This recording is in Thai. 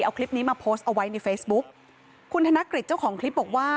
เอาคลิปนี้มาโพสต์เอาไว้ในเฟซบุ๊กคุณธนกฤษเจ้าของคลิปบอกว่า